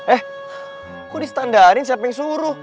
eh kok di standarin siapa yang suruh